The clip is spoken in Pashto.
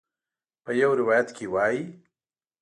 په یو روایت کې وایي.